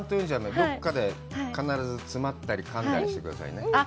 どっかで必ず詰まったり、かんだりしてくださいね。